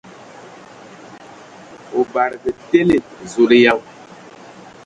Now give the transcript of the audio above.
O badǝgǝ tele ! Zulǝyan!